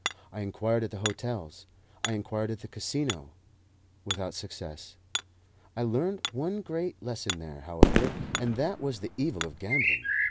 I inquired at the hotels; I inquired at the Casino without success. I learnt one great lesson there, however, and that was the evil of gambling.